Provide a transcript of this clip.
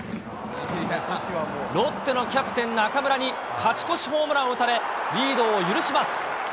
ロッテのキャプテン、中村に勝ち越しホームランを打たれ、リードを許します。